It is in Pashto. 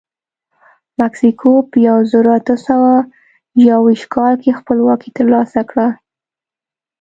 مکسیکو په یو زرو اته سوه یوویشت کال کې خپلواکي ترلاسه کړه.